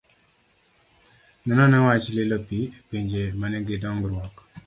Non ane wach lilo pi e pinje ma nigi dongruok.